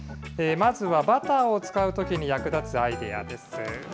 まずは、バターを使うときに役立つアイデアです。